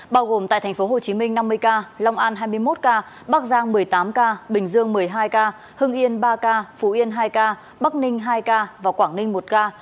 bao gồm tại tp hcm năm mươi ca long an hai mươi một ca bắc giang một mươi tám ca bình dương một mươi hai ca hưng yên ba ca phú yên hai ca bắc ninh hai ca và quảng ninh một ca